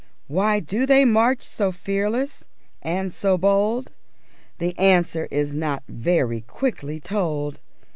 Why do they march so fearless and so bold? _The answer is not very quickly told.